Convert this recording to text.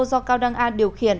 do cao đăng an điều khiển